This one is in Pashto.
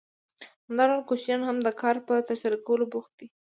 همدا ډول کوچنیان هم د کار په ترسره کولو بوخت دي